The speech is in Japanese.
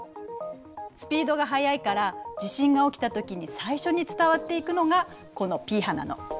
スピードが速いから地震が起きた時に最初に伝わっていくのがこのＰ波なの。